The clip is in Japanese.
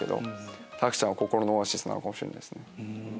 拓ちゃんは心のオアシスかもしれないですね。